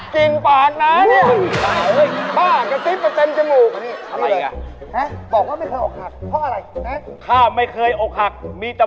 กลิ่นฟันนะเนี่ย